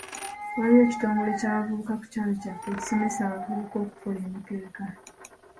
Waliwo ekitongole ky'abavubuka ku kyalo kyaffe ekisomesa abavubuka okukola emikeeka .